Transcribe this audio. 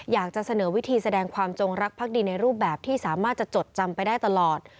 อยากจะเสนอวิธีแสดงความจงรักภักดีในรูปแบบที่สามารถจะจดจำไปได้ตลอด